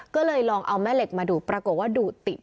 ก็เลยลองเอาแม่เหล็กมาดูปรากฏว่าดูดติด